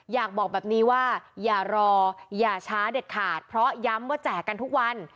อยากบอกแบบนี้ว่าอย่ารออย่าช้าเด็ดขาดเพราะย้ำว่าแจกกันทุกวัน